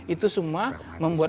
itu semua membuat